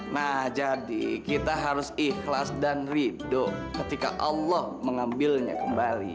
nah jadi kita harus ikhlas dan ridho ketika allah mengambilnya kembali